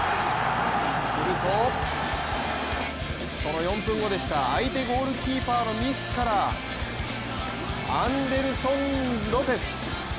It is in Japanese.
すると、その４分後でした相手ゴールキーパーのミスからアンデルソン・ロペス。